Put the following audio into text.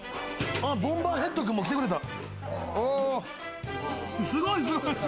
ボンバーヘッド君も来てくれた。